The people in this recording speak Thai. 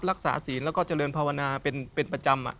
ศีลแล้วก็เจริญภาวนาเป็นประจำ